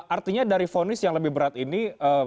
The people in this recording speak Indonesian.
artinya dari vonis yang lebih berat ini